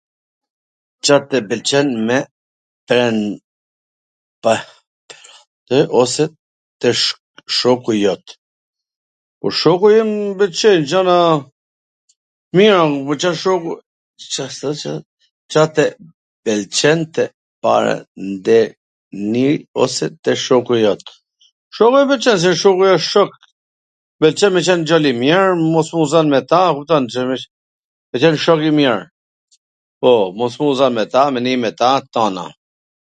Car tw pwlqen ... te shoku jot? Po shoku im mw pwlqejn gjana t mira, mw pwlqen shoku .... se shoku wsht shok, mw pwlqen me qwn djal i mir, mos me u zwn me ta, kupton, me qwn njw shok i mir, po, mos me u zwn me ta, me ndwnj me ta, tana.